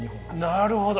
なるほど。